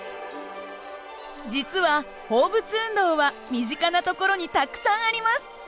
実は放物運動は身近なところにたくさんあります。